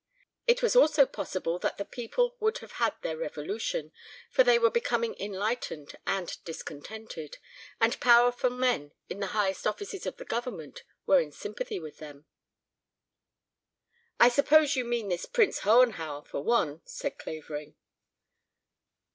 It was also possible that the people would have had their revolution, for they were becoming enlightened and discontented, and powerful men in the highest offices of the Government were in sympathy with them. "I suppose you mean this Prince Hohenhauer for one," said Clavering.